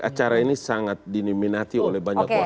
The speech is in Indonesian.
acara ini sangat diniminati oleh banyak orang